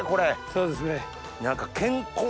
そうですね。